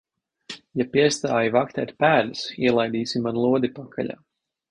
Ja piestāji vaktēt pēdas, ielaidīsi man lodi pakaļā.